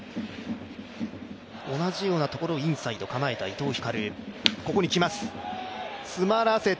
同じようなところインサイド構えた、伊藤光。